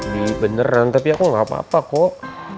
di beneran tapi aku gak apa apa kok